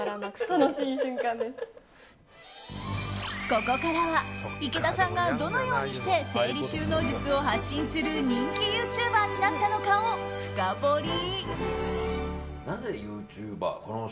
ここからは、池田さんがどのようにして整理収納術を発信する人気ユーチューバーになったのかを深掘り。